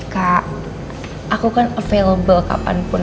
kak aku kan available kapanpun